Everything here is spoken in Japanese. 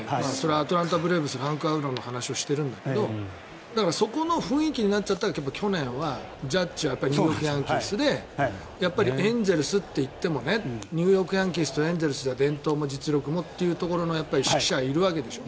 アトランタ・ブレーブスのハンク・アーロンの話をしているんだけどだからそこの雰囲気になっちゃったらジャッジはニューヨーク・ヤンキースでやっぱりエンゼルスと言ってもニューヨーク・ヤンキースとエンゼルスだと伝統がという記者はいるわけでしょ。